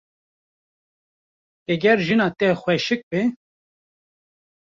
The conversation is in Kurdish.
Heger jina te xweşik be.